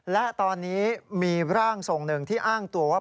และตอนนี้มีร่างทรงหนึ่งที่อ้างตัวว่า